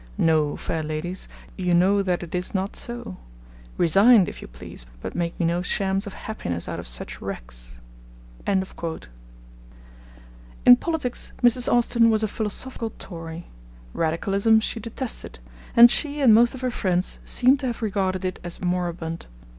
No, fair ladies, you know that it is not so resigned, if you please, but make me no shams of happiness out of such wrecks. In politics Mrs. Austin was a philosophical Tory. Radicalism she detested, and she and most of her friends seem to have regarded it as moribund.